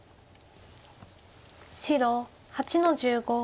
白８の十五。